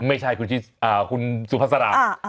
ไม่ใช่คุณสุภาษา